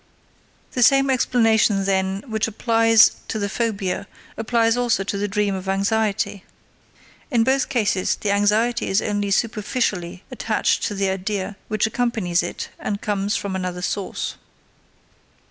The same explanation, then, which applies to the phobia applies also to the dream of anxiety. In both cases the anxiety is only superficially attached to the idea which accompanies it and comes from another source.